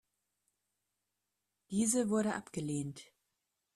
Diese wurde abgelehnt.